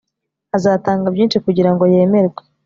Azatanga byinshi kugira ngo yemerwe